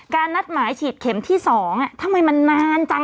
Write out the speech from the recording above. นัดหมายฉีดเข็มที่๒ทำไมมันนานจัง